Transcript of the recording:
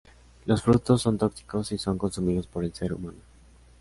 Los frutos son tóxicos si son consumidos por el ser humano.